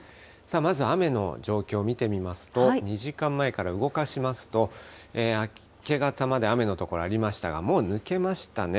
まず雨の状況見てみますと、２時間前から動かしますと、明け方まで雨の所ありましたが、もう抜けましたね。